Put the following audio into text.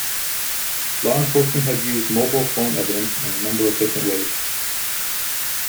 Law enforcement have used mobile phone evidence in a number of different ways.